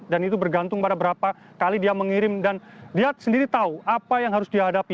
dan itu bergantung pada berapa kali dia mengirim dan dia sendiri tahu apa yang harus dihadapi